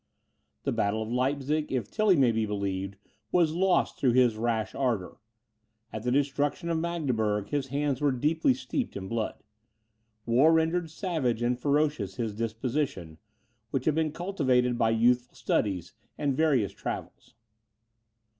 The battle of Leipzig, if Tilly may be believed, was lost through his rash ardour. At the destruction of Magdeburg, his hands were deeply steeped in blood; war rendered savage and ferocious his disposition, which had been cultivated by youthful studies and various travels.